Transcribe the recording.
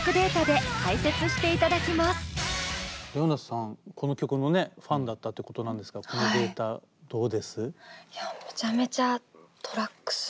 ＲｅｏＮａさんこの曲のねファンだったってことなんですがこのデータどうです？